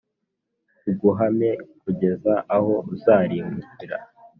iguhame kugeza aho uzarimbukira.